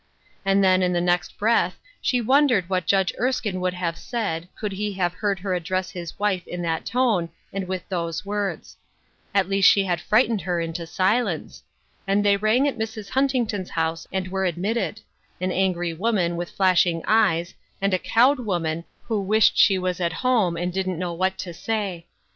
And then, in the next breath, she wondered what Judge Erskine would have said, could he have heard her address his wife in that tone, and with those words. At least she had frightened her into silence. And they rang at Mrs, Huntington's and were admitted — an angry 146 Ruth Erskine's Crosses, woman, with flashing eyes, and a cowed woman, who wished she was at home, and didn't know what to say.